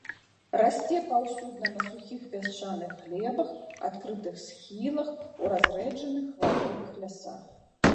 Расце паўсюдна на сухіх пясчаных глебах, адкрытых схілах, у разрэджаных хваёвых лясах.